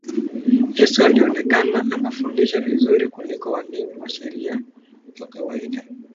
Yesu alionekana anafundisha vizuri kuliko walimu wa sheria wa kawaida